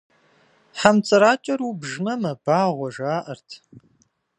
Хьэмцӏыракӏэр убжмэ, мэбагъуэ, жаӏэрт.